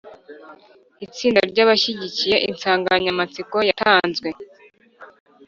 itsinda ry’abashyigikiye insanganyamatsiko yatanzwe,